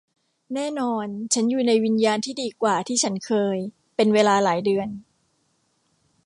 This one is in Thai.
แน่นอนฉันอยู่ในวิญญาณที่ดีกว่าที่ฉันเคยเป็นเวลาหลายเดือน